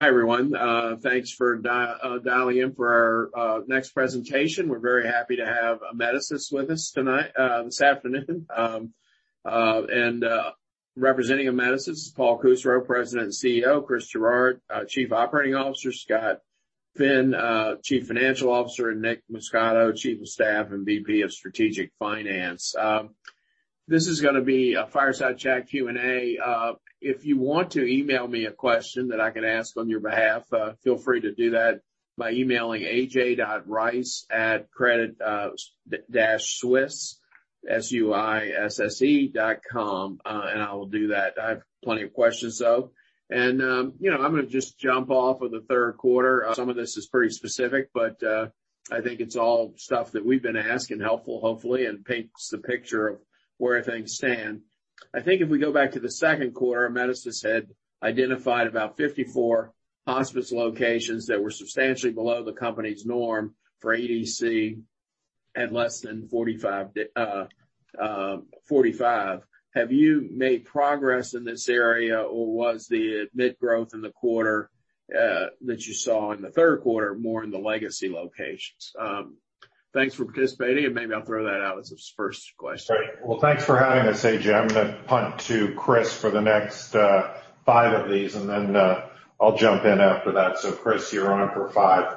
Hi, everyone. Thanks for dialing in for our next presentation. We're very happy to have Amedisys with us tonight, this afternoon. Representing Amedisys is Paul Kusserow, President and CEO, Chris Gerard, Chief Operating Officer, Scott Ginn, Chief Financial Officer, and Nick Muscato, Chief of Staff and VP of Strategic Finance. This is gonna be a fireside chat Q&A. If you want to email me a question that I can ask on your behalf, feel free to do that by emailing aj.rice@creditsuisse.com, and I will do that. I have plenty of questions, though. You know, I'm gonna just jump off of the third quarter. Some of this is pretty specific, but I think it's all stuff that we've been asking, helpful, hopefully, and paints the picture of where things stand. I think if we go back to the second quarter, Amedisys had identified about 54 hospice locations that were substantially below the company's norm for ADC and less than 45. Have you made progress in this area, or was the admit growth in the quarter that you saw in the third quarter more in the legacy locations? Thanks for participating, and maybe I'll throw that out as the first question. Great. Well, thanks for having us, A.J. I'm gonna punt to Chris for the next, five of these, and then, I'll jump in after that. Chris, you're on it for five.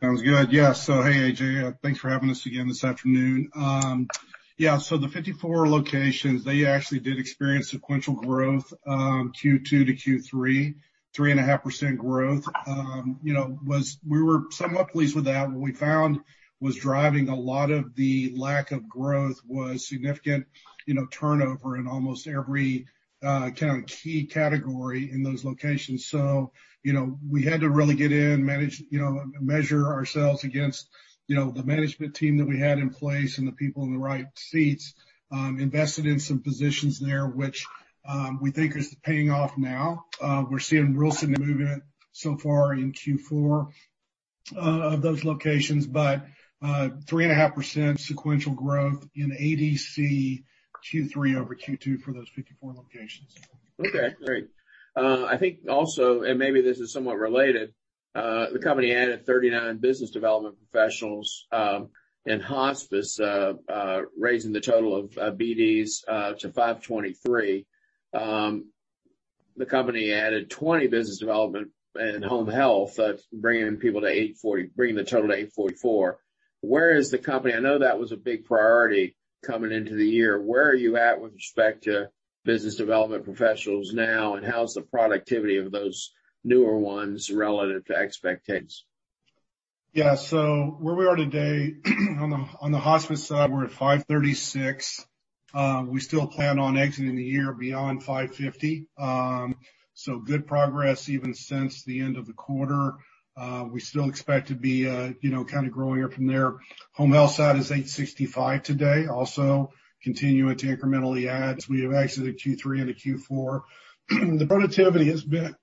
Sounds good. Yeah. Hey, A.J., thanks for having us again this afternoon. Yeah, the 54 locations, they actually did experience sequential growth, Q2 to Q3, 3.5% growth. You know, we were somewhat pleased with that. What we found was driving a lot of the lack of growth was significant, you know, turnover in almost every kind of key category in those locations. You know, we had to really get in, manage, you know, measure ourselves against, you know, the management team that we had in place and the people in the right seats. Invested in some positions there which, we think is paying off now. We're seeing real significant movement so far in Q4 of those locations, but 3.5% sequential growth in ADC Q3 over Q2 for those 54 locations. Okay, great. I think also, and maybe this is somewhat related, the company added 39 business development professionals in hospice, raising the total of BDs to 523. The company added 20 business development in home health, bringing the total to 844. Where is the company? I know that was a big priority coming into the year. Where are you at with respect to business development professionals now, and how's the productivity of those newer ones relative to expectations? Yeah. Where we are today, on the hospice side, we're at 536. We still plan on exiting the year beyond 550. Good progress even since the end of the quarter. We still expect to be, you know, kinda growing it from there. Home health side is 865 today, also continuing to incrementally add, as we have exited Q3 into Q4. The productivity has been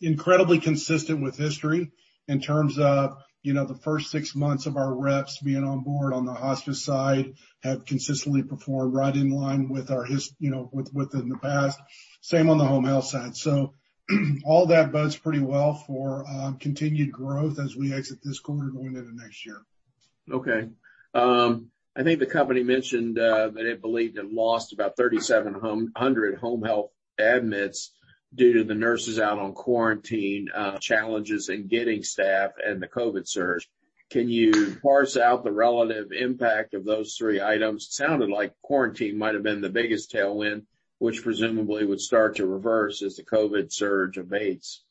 incredibly consistent with history in terms of, you know, the first 6 months of our reps being on board on the hospice side have consistently performed right in line with our you know, with in the past. Same on the home health side. All that bodes pretty well for continued growth as we exit this quarter going into next year. Okay. I think the company mentioned that it believed it lost about 3,700 home health admits due to nurses being out on quarantine, challenges in getting staff and the COVID surge. Can you parse out the relative impact of those three items? Sounded like quarantine might have been the biggest headwind, which presumably would start to reverse as the COVID surge abates.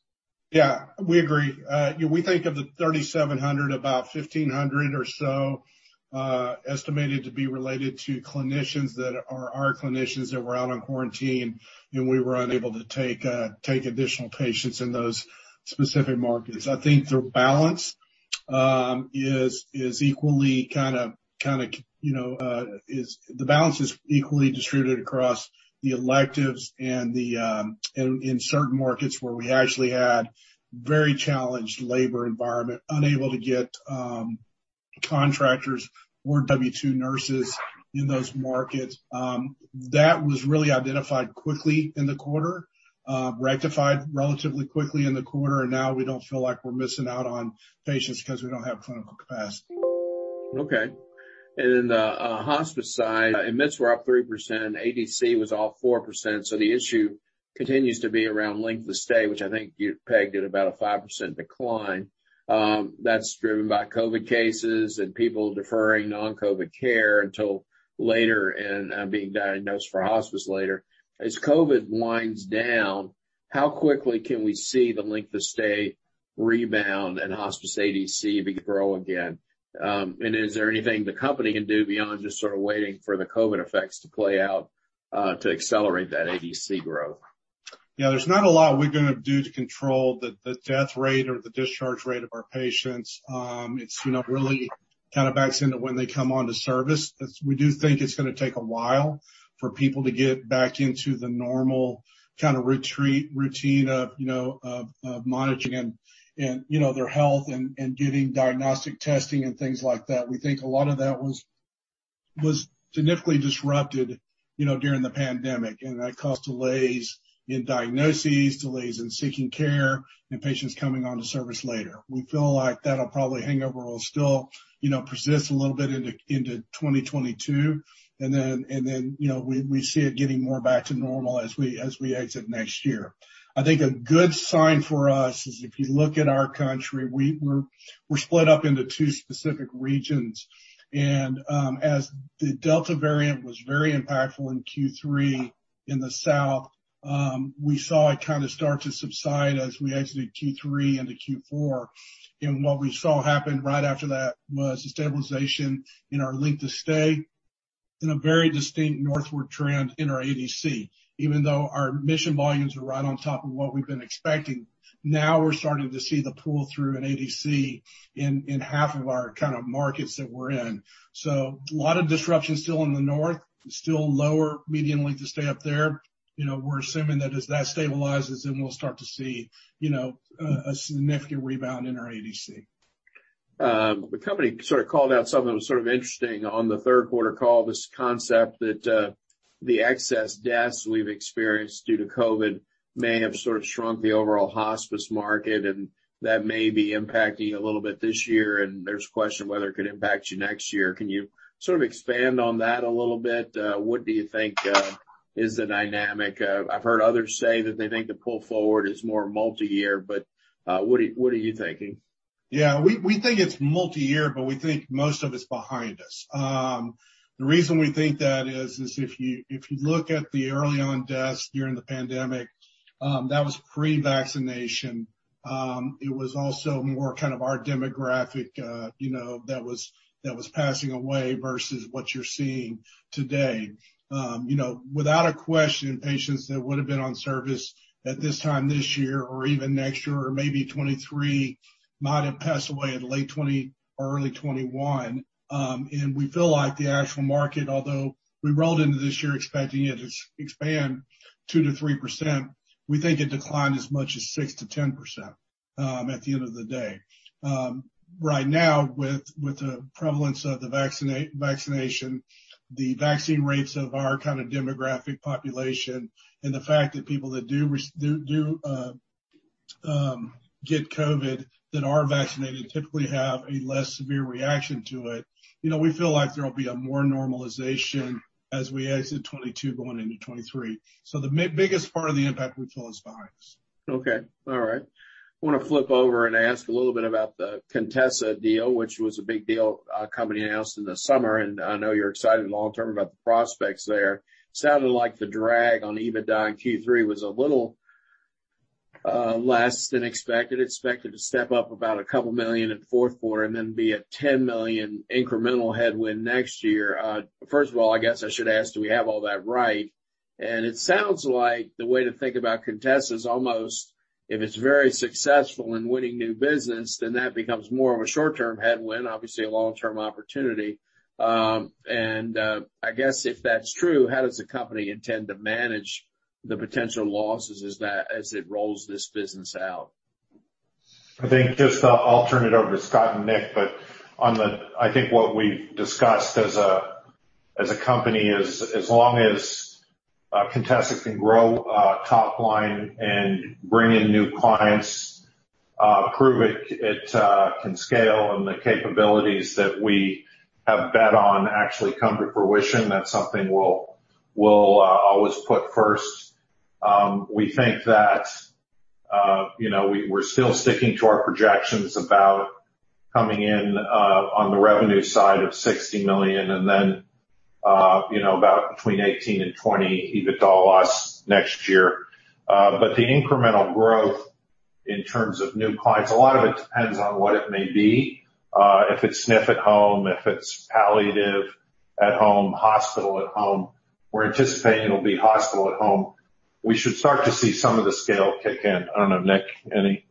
Yeah, we agree. We think of the 3,700, about 1,500 or so, estimated to be related to clinicians that are our clinicians that were out on quarantine, and we were unable to take additional patients in those specific markets. I think the balance is roughly evenly distributed across the electives and in certain markets where we actually had very challenged labor environment, unable to get contractors or W2 nurses in those markets. That was identified and addressed quickly during the quarter, rectified relatively quickly in the quarter. Now we don't feel like we're missing out on patients because we don't have clinical capacity. Okay. The hospice side, admits were up 3%, ADC was off 4%, so the issue continues to be around length of stay, which I think you pegged at about a 5% decline. That's driven by COVID cases and people deferring non-COVID care until later and being diagnosed for hospice later. As COVID winds down, how quickly can we see the length of stay rebound and hospice ADC begin to grow again? Is there anything the company can do beyond just sort of waiting for the COVID effects to play out to accelerate that ADC growth? Yeah, there's not a lot we can do to control patient mortality rates or the discharge rate of our patients. You know, really kind of backs into when they come onto service. We do think it's gonna take a while for people to get back into the normal kind of routine of, you know, managing and, you know, their health and getting diagnostic testing and things like that. We think a lot of that was significantly disrupted, you know, during the pandemic. That caused delays in diagnoses, delays in seeking care, and patients coming onto service later. We feel like that'll probably hang over. It'll still, you know, persist a little bit into 2022. Then, you know, we see it getting more back to normal as we exit next year. I think a good sign for us is if you look at our country, we're split up into two specific regions. As the Delta variant was very impactful in Q3 in the South, we saw it kind of start to subside as we exited Q3 into Q4. What we saw happen right after that was a stabilization in our length of stay and a very distinct upward trend in our ADC. Even though our admission volumes are right on top of what we've been expecting, now we're starting to see the pull-through in ADC in half of our kind of markets that we're in. A lot of disruption still in the North. Still lower median length of stay up there. You know, we're assuming that as that stabilizes, then we'll start to see a significant rebound in our ADC. The company sort of called out something that was sort of interesting on the third quarter call. This concept that the excess deaths we've experienced due to COVID may have sort of shrunk the overall hospice market, and that may be impacting you a little bit this year, and there's a question whether it could impact you next year. Can you sort of expand on that a little bit? What do you think is the dynamic? I've heard others say that they think the pull forward is more multi-year, but what are you thinking? Yeah, we think it's multi-year, but we think most of it's behind us. The reason we think that is if you look at the early on deaths during the pandemic, that was pre-vaccination. It was also more kind of our demographic, you know, that was passing away versus what you're seeing today. You know, without a question, patients that would have been on service at this time this year or even next year or maybe 2023, might have passed away in late 2020 or early 2021. We feel like the actual market, although we rolled into this year expecting it to expand 2%-3%, we think it declined as much as 6%-10%, at the end of the day. Right now, with the prevalence of the vaccination, the vaccine rates of our kind of demographic population, and the fact that people that do get COVID that are vaccinated typically have a less severe reaction to it, you know, we feel like there will be a more normalization as we exit 2022 going into 2023. The biggest part of the impact we feel is behind us. Okay. All right. I wanna flip over and ask a little bit about the Contessa deal, which was a big deal, company announced in the summer. I know you're excited long term about the prospects there. Sounded like the drag on EBITDA in Q3 was a little less than expected. Expected to step up about $2 million in the fourth quarter, and then be a $10 million incremental headwind next year. First of all, I guess I should ask, do we have all that right? It sounds like the way to think about Contessa is almost if it's very successful in winning new business, then that becomes more of a short-term headwind, obviously a long-term opportunity. I guess if that's true, how does the company intend to manage the potential losses as it rolls this business out? I think I'll turn it over to Scott and Nick, but on the I think what we've discussed as a company is, as long as Contessa can grow top line and bring in new clients, prove it can scale and the capabilities that we have bet on actually come to fruition, that's something we'll always put first. We think that, you know, we're still sticking to our projections about coming in on the revenue side of $60 million and then, you know, about between 18 and 20 EBITDA loss next year. But the incremental growth in terms of new clients, a lot of it depends on what it may be. If it's SNF at home, if it's palliative at home, hospital at home. We're anticipating it'll be hospital at home. We should start to see some of the scale kick in. I don't know, Nick, any?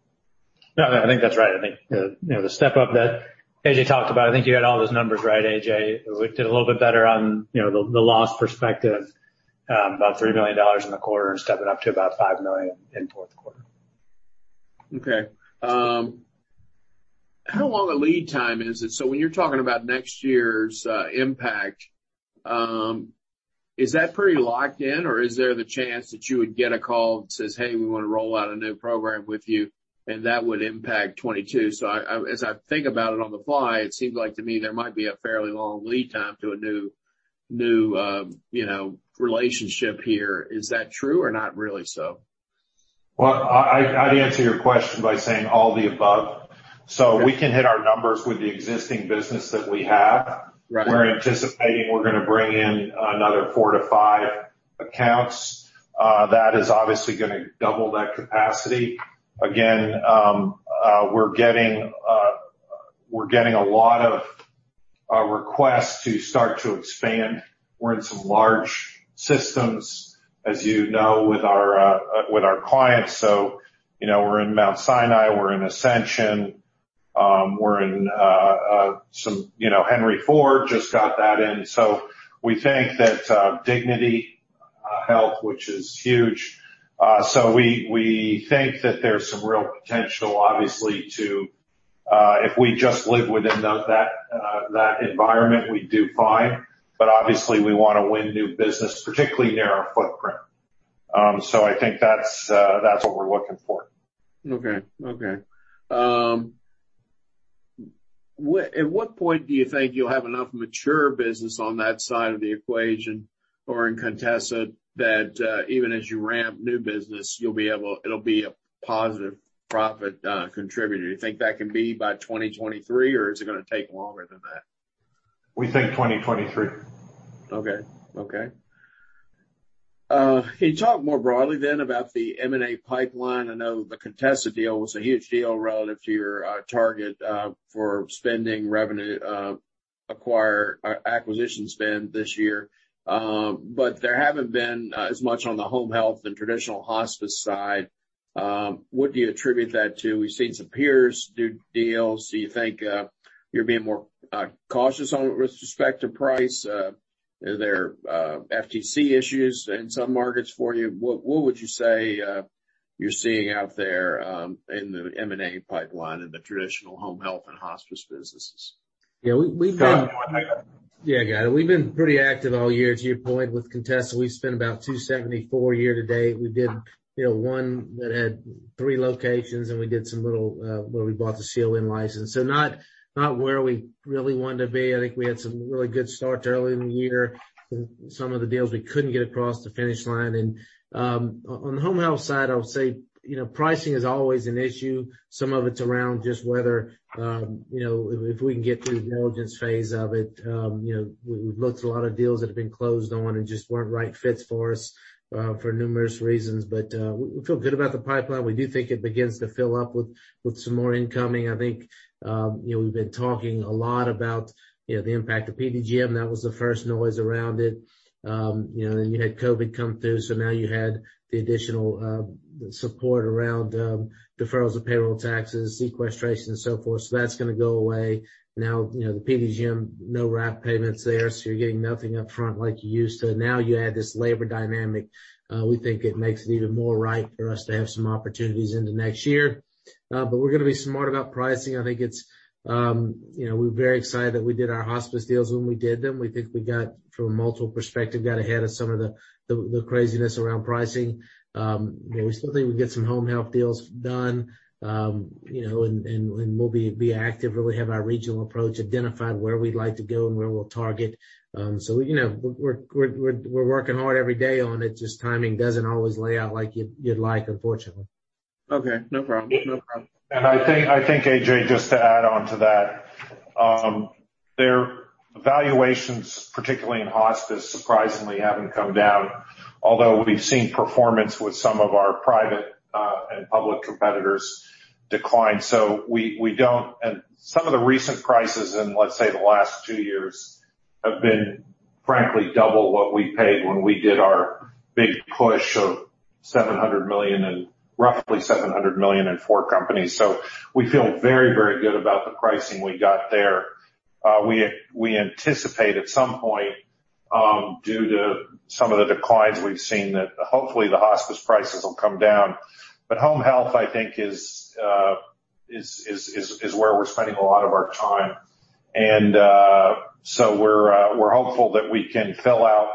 No, no, I think that's right. I think, you know, the step-up that A.J. talked about, I think you had all those numbers right, A.J. We did a little bit better on, you know, the loss perspective, about $3 million in the quarter and stepping up to about $5 million in fourth quarter. Okay. How long a lead time is it? When you're talking about next year's impact, is that pretty locked in, or is there the chance that you would get a call that says, "Hey, we wanna roll out a new program with you," and that would impact 2022? As I think about it on the fly, it seems like to me there might be a fairly long lead time to a new you know relationship here. Is that true or not really so? Well, I'd answer your question by saying all the above. Okay. We can hit our numbers with the existing business that we have. Right. We're anticipating we're gonna bring in another 4-5 accounts. That is obviously gonna double that capacity. Again, we're getting a lot of requests to start to expand. We're in some large systems, as you know, with our clients. You know, we're in Mount Sinai, we're in Ascension, we're in some, you know, Henry Ford, just got that in. We think that Dignity Health, which is huge. We think that there's some real potential obviously if we just live within that environment, we do fine. Obviously we wanna win new business, particularly near our footprint. I think that's what we're looking for. Okay. What point do you think you'll have enough mature business on that side of the equation or in Contessa that even as you ramp new business, it'll be a positive profit contributor? Do you think that can be by 2023, or is it gonna take longer than that? We think 2023. Okay, can you talk more broadly then about the M&A pipeline? I know the Contessa deal was a huge deal relative to your target for acquisition spend this year. There haven't been as much on the home health and traditional hospice side. What do you attribute that to? We've seen some peers do deals. Do you think you're being more cautious on it with respect to price? Are there FTC issues in some markets for you? What would you say you're seeing out there in the M&A pipeline in the traditional home health and hospice businesses? Yeah, we've been. Go ahead. Yeah, got it. We've been pretty active all year, to your point, with Contessa. We've spent about $274 million year to date. We did, you know, one that had 3 locations, and we did some little where we bought the CON license. So not where we really wanted to be. I think we had some really good starts early in the year. Some of the deals we couldn't get across the finish line. On the home health side, I would say, you know, pricing is always an issue. Some of it's around just whether, you know, if we can get through the diligence phase of it. You know, we've looked at a lot of deals that have been closed on and just weren't right fits for us, for numerous reasons. We feel good about the pipeline. We do think it begins to fill up with some more incoming. I think, you know, we've been talking a lot about, you know, the impact of PDGM. That was the first noise around it. You know, you had COVID come through, so now you had the additional support around deferrals of payroll taxes, sequestration, and so forth. That's gonna go away. Now, you know, the PDGM, no wrap payments there, so you're getting nothing up front like you used to. Now you add this labor dynamic, we think it makes it even more ripe for us to have some opportunities into next year. We're gonna be smart about pricing. I think it's, you know, we're very excited that we did our hospice deals when we did them. We think we got ahead from a multiples perspective of some of the craziness around pricing. You know, we still think we can get some home health deals done. You know, and we'll be active, really have our regional approach, identify where we'd like to go and where we'll target. You know, we're working hard every day on it. Just timing doesn't always play out like you'd like, unfortunately. Okay, no problem. No problem. I think, A.J., just to add on to that, their valuations, particularly in hospice, surprisingly haven't come down. Although we've seen performance with some of our private and public competitors decline. We don't. Some of the recent prices in, let's say, the last 2 years have been, frankly, double what we paid when we did our big push of roughly $700 million in 4 companies. We feel very, very good about the pricing we got there. We anticipate at some point, due to some of the declines we've seen, that hopefully the hospice prices will come down. Home health, I think, is where we're spending a lot of our time. We're hopeful that we can fill out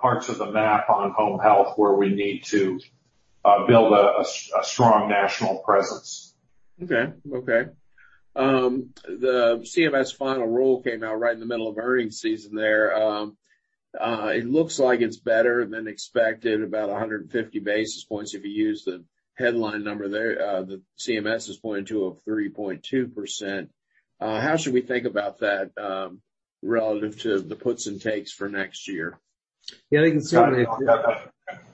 parts of the map on home health where we need to build a strong national presence. Okay. The CMS final rule came out right in the middle of earnings season there. It looks like it's better than expected, about 150 basis points, if you use the headline number there. The CMS is pointing to a 3.2%. How should we think about that relative to the puts and takes for next year? Yeah, I think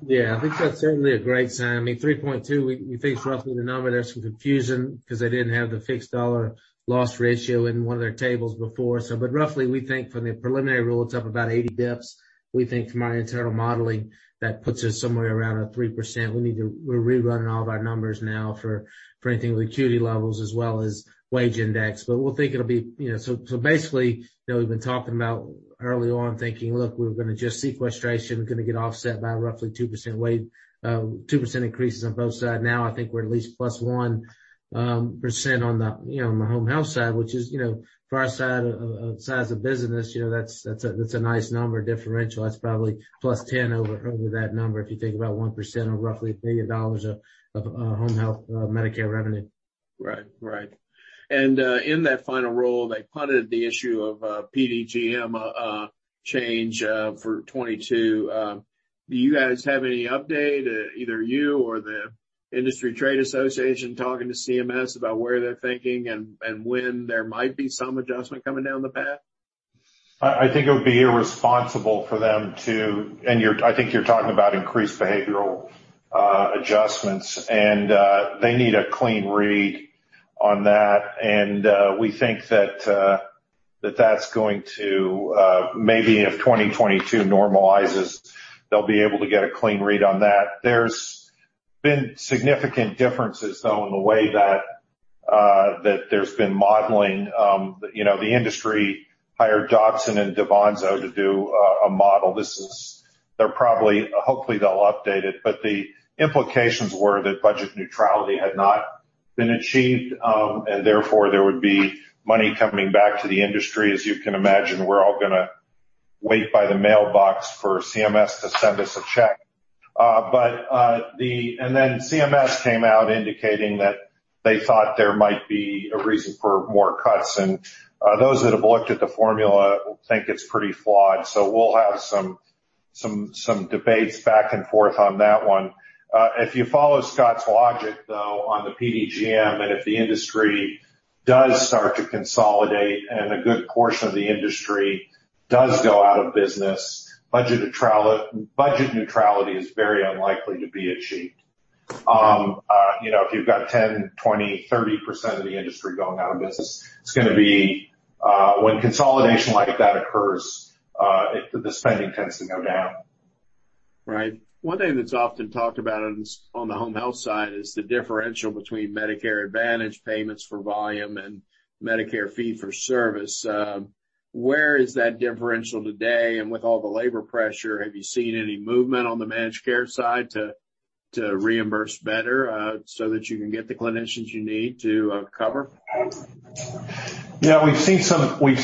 that's certainly a great sign. I mean, 3.2, we think is roughly the number. There's some confusion because they didn't have the fixed-dollar loss ratio in one of their tables before. But roughly, we think from the preliminary rule, it's up about 80 basis points. We think from our internal modeling, that puts us somewhere around 3%. We're rerunning all of our numbers now for anything with acuity levels as well as wage index. But we think it'll be, you know. So basically, you know, we've been talking about early on thinking, look, we're gonna just sequestration, we're gonna get offset by roughly 2% wage, two percent increases on both sides. Now, I think we're at least +1%, you know, on the home health side, which is, you know, for our side, size of business, you know, that's a nice number differential. That's probably +10 over that number, if you think about 1% of roughly $1 billion of home health Medicare revenue. Right. In that final rule, they punted the issue of PDGM change for 2022. Do you guys have any update, either you or the industry trade association talking to CMS about where they're thinking and when there might be some adjustment coming down the path? I think it would be irresponsible for them to. You're talking about increased behavioral adjustments, and they need a clean read on that. We think that that's going to maybe if 2022 normalizes, they'll be able to get a clean read on that. There's been significant differences though in the way that there's been modeling, you know, the industry hired Dobson DaVanzo to do a model. Hopefully, they'll update it, but the implications were that budget neutrality had not been achieved, and therefore, there would be money coming back to the industry. As you can imagine, we're all gonna wait by the mailbox for CMS to send us a check. CMS came out indicating that they thought there might be a reason for more cuts, and those that have looked at the formula think it's pretty flawed. We'll have some debates back and forth on that one. If you follow Scott's logic, though, on the PDGM, and if the industry does start to consolidate and a good portion of the industry does go out of business, budget neutrality is very unlikely to be achieved. You know, if you've got 10, 20, 30% of the industry going out of business, when consolidation like that occurs, the spending tends to go down. Right. One thing that's often talked about on the home health side is the differential between Medicare Advantage payments for volume and Medicare fee-for-service. Where is that differential today? With all the labor pressure, have you seen any movement on the managed care side to reimburse better, so that you can get the clinicians you need to cover? Yeah, we've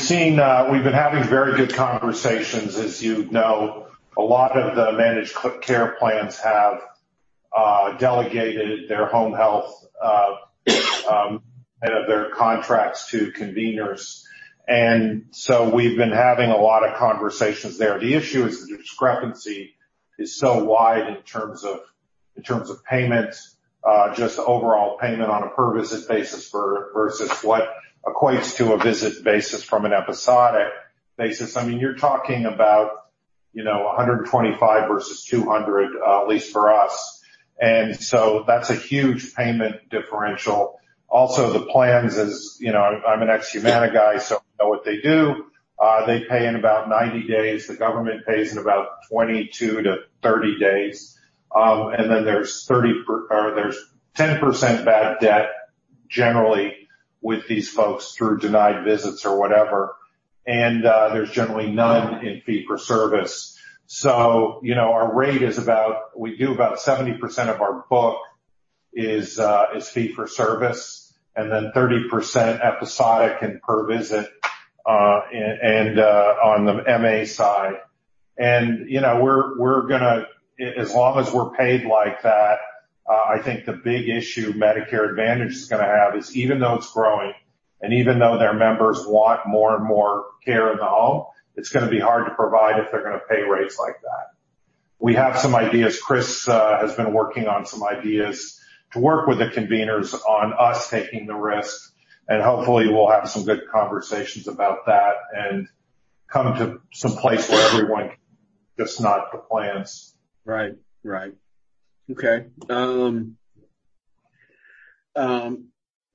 been having very good conversations. As you know, a lot of the managed care plans have delegated their home health, their contracts to conveners. We've been having a lot of conversations there. The issue is the discrepancy is so wide in terms of payments just overall payment on a per visit basis versus what equates to a visit basis from an episodic basis. I mean, you're talking about, you know, $125 versus $200 at least for us. That's a huge payment differential. Also, the plans is, you know, I'm an ex Humana guy, so I know what they do. They pay in about 90 days. The government pays in about 22-30 days. There's 10% bad debt generally with these folks through denied visits or whatever. There's generally none in fee for service. You know, we do about 70% of our book is fee for service and then 30% episodic and per visit on the MA side. You know, we're gonna, as long as we're paid like that, I think the big issue Medicare Advantage is gonna have is even though it's growing, and even though their members want more and more care in the home, it's gonna be hard to provide if they're gonna pay rates like that. We have some ideas. Chris has been working on some ideas to work with the conveners on us taking the risk, and hopefully we'll have some good conversations about that and come to some place where everyone, not just the plans. Right. Okay.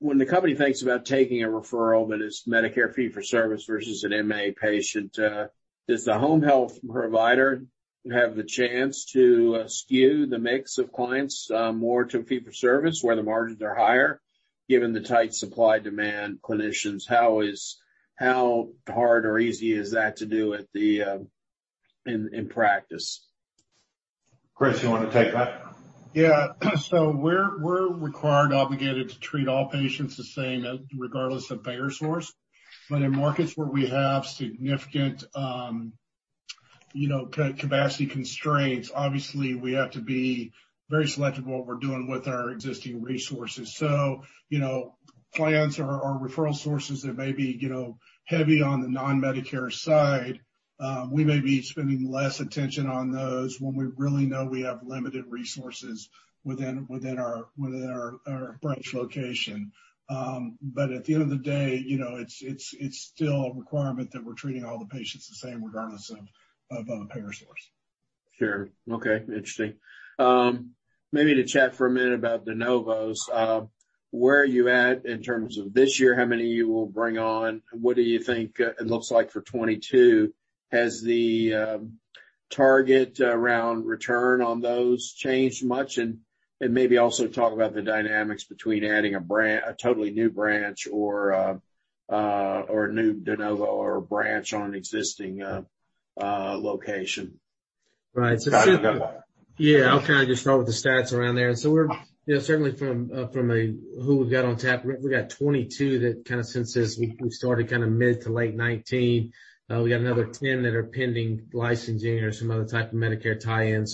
When the company thinks about taking a referral, but it's Medicare fee-for-service versus an MA patient, does the home health provider have the chance to skew the mix of clients more to fee-for-service where the margins are higher, given the tight supply demand clinicians? How hard or easy is that to do at the, in practice? Chris, you wanna take that? Yeah. We're required, obligated to treat all patients the same, regardless of payer source. In markets where we have significant, you know, capacity constraints, obviously, we have to be very selective what we're doing with our existing resources. You know, plans or referral sources that may be, you know, heavy on the non-Medicare side, we may be spending less attention on those when we really know we have limited resources within our branch location. At the end of the day, you know, it's still a requirement that we're treating all the patients the same regardless of a payer source. Sure. Okay, interesting. Maybe to chat for a minute about de novos. Where are you at in terms of this year? How many you will bring on? What do you think it looks like for 2022? Has the target around return on those changed much? Maybe also talk about the dynamics between adding a totally new branch or a new de novo or a branch on an existing location. Right. Scott, you got that. Yeah. I'll kinda just start with the stats around there. We're, you know, certainly from a view of who we've got on tap. We've got 22 that kinda since this we started kinda mid to late 2019. We got another 10 that are pending licensing or some other type of Medicare tie-in.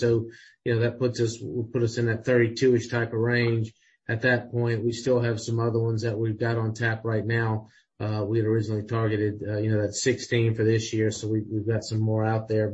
You know, that puts us, will put us in that 32-ish type of range. At that point, we still have some other ones that we've got on tap right now. We had originally targeted, you know, that 16 for this year, so we've got some more out there.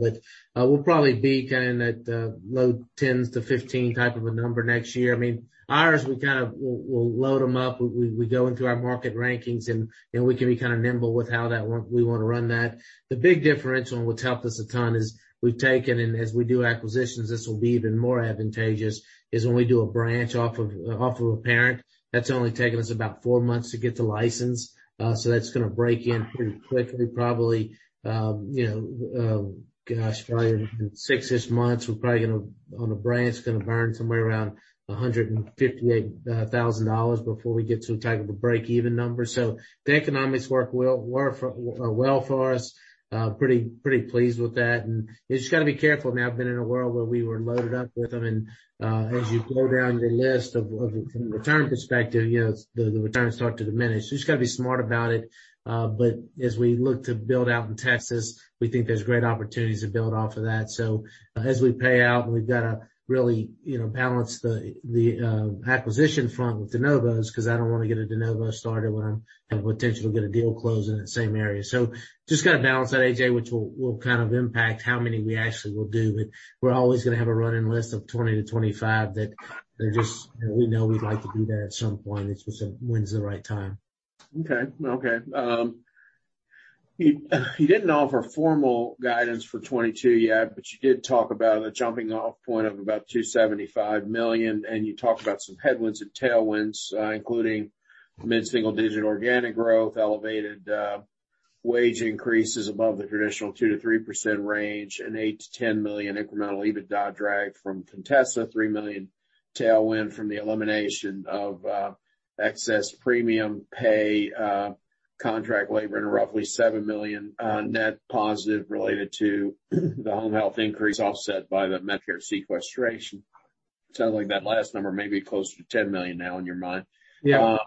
We'll probably be kind of at low 10s-15 type of a number next year. I mean, ours, we kind of we'll load them up. We go into our market rankings, and we can be kind of nimble with how that we wanna run that. The big difference and what's helped us a ton is we've taken in, as we do acquisitions, this will be even more advantageous, is when we do a branch off of a parent, that's only taken us about 4 months to get the license. So that's gonna break in pretty quickly, probably, you know, probably in 6-ish months, we're probably gonna, on a branch, it's gonna earn somewhere around $158,000 before we get to a type of a break-even number. The economics work well for us. Pretty pleased with that. You just gotta be careful now, being in a world where we were loaded up with them. As you go down your list from return perspective, you know, the returns start to diminish. You just gotta be smart about it. But as we look to build out in Texas, we think there's great opportunities to build off of that. As we pay out, we've gotta really, you know, balance the acquisition front with de novos because I don't wanna get a de novo starter when I have potential to get a deal closed in that same area. Just gotta balance that, AJ, which will kind of impact how many we actually will do. We're always gonna have a running list of 20 to 25 that they're just, we know we'd like to do that at some point. It's just when's the right time. Okay, you didn't offer formal guidance for 2022 yet, but you did talk about a jumping off point of about $275 million, and you talked about some headwinds and headwinds, including mid-single-digit organic growth, elevated wage increases above the traditional 2%-3% range, an $8 million-$10 million incremental EBITDA drag from Contessa, $3 million headwind from the elimination of excess premium pay, contract labor and roughly $7 million net positive related to the home health increase offset by the Medicare sequestration. Sounds like that last number may be closer to $10 million now in your mind. Yeah.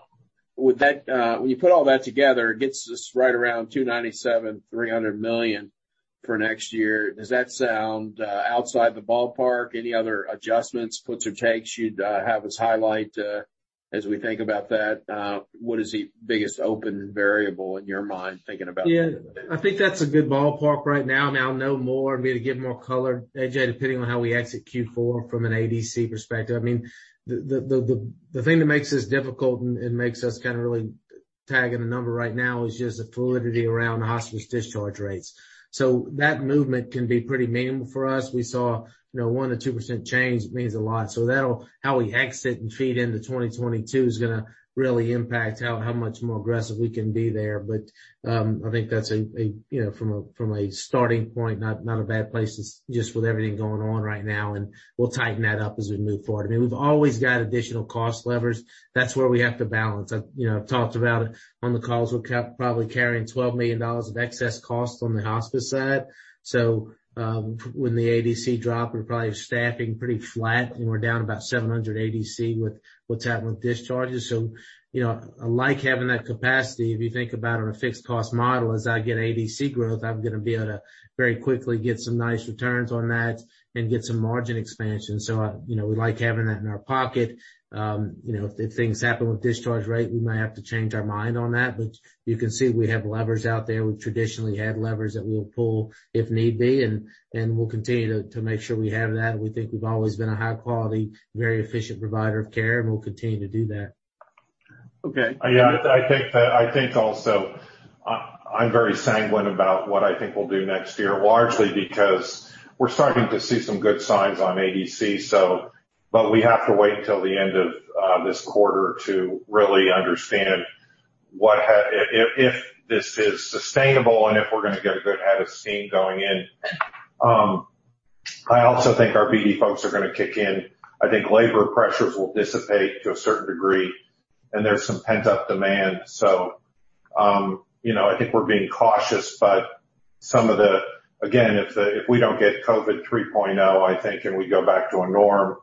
With that, when you put all that together, it gets us right around $297 million-$300 million for next year. Does that sound outside the ballpark? Any other adjustments, puts or takes you'd have us highlight as we think about that? What is the biggest open variable in your mind, thinking about- Yeah. I think that's a good ballpark right now. I'll know more and be able to give more color, A.J., depending on how we exit Q4 from an ADC perspective. I mean, the thing that makes this difficult and makes us kinda really peg a number right now is just the fluidity around the hospice discharge rates. That movement can be pretty minimal for us. We saw, you know, 1%-2% change means a lot. That'll. How we exit and feed into 2022 is gonna really impact how much more aggressive we can be there. I think that's a you know, from a starting point, not a bad place just with everything going on right now, and we'll tighten that up as we move forward. I mean, we've always got additional cost levers. That's where we have to balance. I've you know I've talked about it on the calls. We're probably carrying $12 million of excess costs on the hospice side. When the ADC drop, we're probably staffing pretty flat, and we're down about 700 ADC with what's happened with discharges. You know, I like having that capacity. If you think about it on a fixed cost model, as I get ADC growth, I'm gonna be able to very quickly get some nice returns on that and get some margin expansion. So you know, we like having that in our pocket. You know, if things happen with discharge rate, we might have to change our mind on that. You can see we have levers out there. We traditionally had levers that we'll pull if need be, and we'll continue to make sure we have that. We think we've always been a high quality, very efficient provider of care, and we'll continue to do that. Okay. Yeah. I think also, I'm very sanguine about what I think we'll do next year, largely because we're starting to see some good signs on ADC. We have to wait until the end of this quarter to really understand if this is sustainable and if we're gonna get a good head of steam going in. I also think our BD folks are gonna kick in. I think labor pressures will dissipate to a certain degree, and there's some pent-up demand. You know, I think we're being cautious, but again, if we don't get COVID 3.0, I think, and we go back to a norm,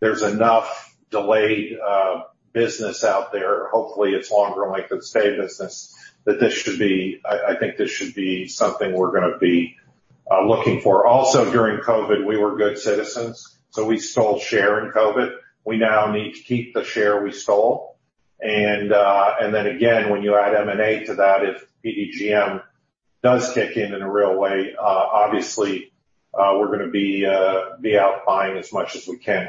there's enough delayed business out there. Hopefully, it's longer like the stay business. I think this should be something we're gonna be looking for. Also, during COVID, we were good citizens, so we stole share in COVID. We now need to keep the share we stole. Then again, when you add M&A to that, if PDGM does kick in in a real way, obviously, we're gonna be out buying as much as we can.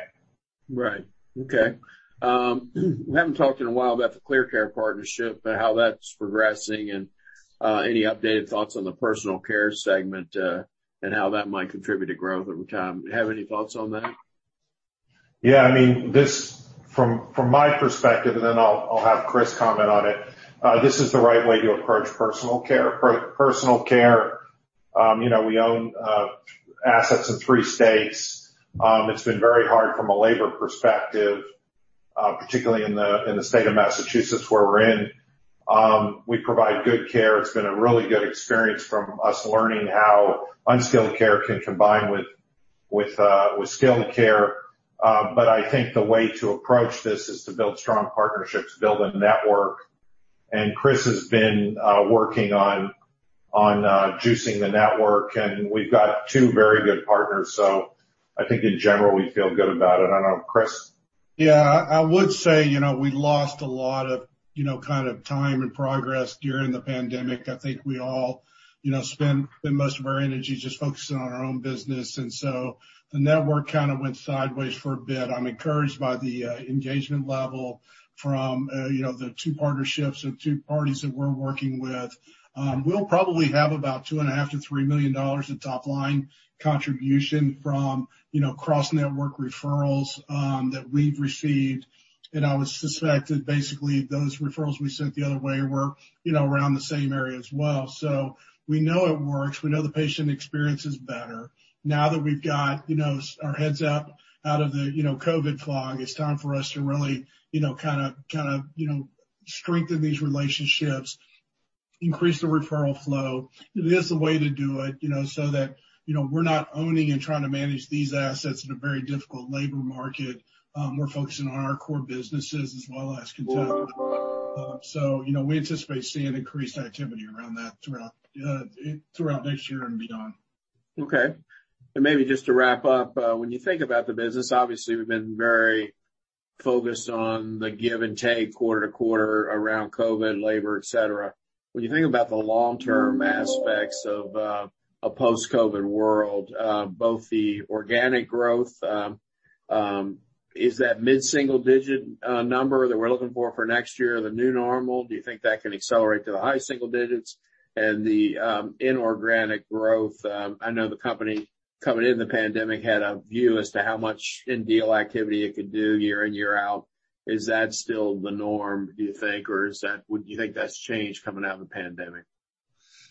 Right. Okay. We haven't talked in a while about the ClearCare partnership, but how that's progressing and any updated thoughts on the personal care segment, and how that might contribute to growth over time. Do you have any thoughts on that? Yeah. I mean, from my perspective, and then I'll have Chris comment on it. This is the right way to approach personal care. Personal care, you know, we own assets in three states. It's been very hard from a labor perspective, particularly in the state of Massachusetts, where we're in. We provide good care. It's been a really good experience from us learning how unskilled care can combine with skilled care. I think the way to approach this is to build strong partnerships, build a network. Chris has been working on juicing the network, and we've got two very good partners. I think in general, we feel good about it. I don't know, Chris? Yeah, I would say, you know, we lost a lot of, you know, kind of time and progress during the pandemic. I think we all, you know, spent most of our energy just focusing on our own business. The network kind of went sideways for a bit. I'm encouraged by the engagement level from, you know, the two partnerships or two parties that we're working with. We'll probably have about $2.5 million-$3 million in top-line contribution from, you know, cross-network referrals that we've received. I would suspect that basically those referrals we sent the other way were, you know, around the same area as well. We know it works. We know the patient experience is better. Now that we've got, you know, our heads out of the, you know, COVID fog, it's time for us to really, you know, kinda strengthen these relationships, increase the referral flow. It is a way to do it, you know, so that, you know, we're not owning and trying to manage these assets in a very difficult labor market. We're focusing on our core businesses as well as Contessa. You know, we anticipate seeing increased activity around that throughout next year and beyond. Okay. Maybe just to wrap up, when you think about the business, obviously we've been very focused on the give and take quarter to quarter around COVID, labor, et cetera. When you think about the long-term aspects of a post-COVID world, both the organic growth is that mid-single digit number that we're looking for for next year, the new normal, do you think that can accelerate to the high single digits? The inorganic growth, I know the company coming into the pandemic had a view as to how much in deal activity it could do year in, year out. Is that still the norm, do you think, or is that would you think that's changed coming out of the pandemic?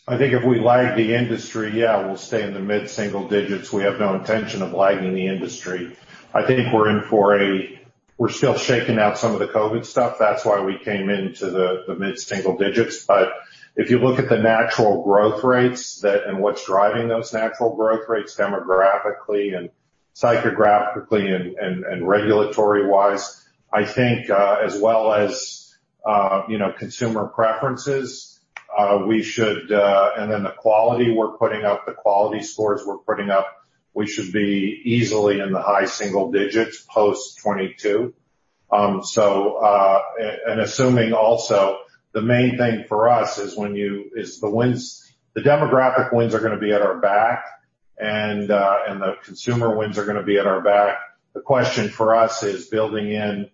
I think if we lag the industry, yeah, we'll stay in the mid-single digits. We have no intention of lagging the industry. We're still shaking out some of the COVID stuff. That's why we came into the mid-single digits. If you look at the natural growth rates and what's driving those natural growth rates demographically and psychographically and regulatory-wise, I think, as well as, you know, consumer preferences, we should the quality we're putting up, the quality scores we're putting up, be easily in the high single digits post 2022. Assuming also the main thing for us is the demographic winds are gonna be at our back and the consumer winds are gonna be at our back. The question for us is building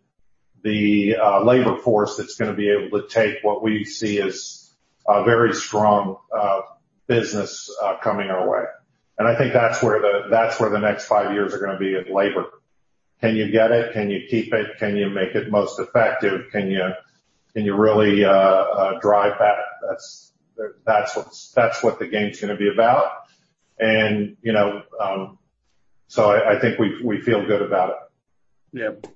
the labor force that's gonna be able to take what we see as a very strong business coming our way. I think that's where the next five years are gonna be in labor. Can you get it? Can you keep it? Can you make it most effective? Can you really drive that? That's what the game's gonna be about. You know, I think we feel good about it. Yeah.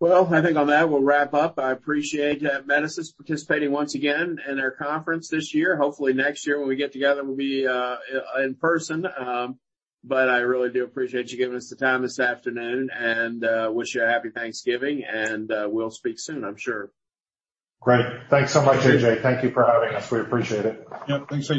Well, I think on that, we'll wrap up. I appreciate Amedisys participating once again in our conference this year. Hopefully next year when we get together, we'll be in person. I really do appreciate you giving us the time this afternoon. I wish you a happy Thanksgiving, and we'll speak soon, I'm sure. Great. Thanks so much, A.J. Thank you for having us. We appreciate it. Yep. Thanks, A.J.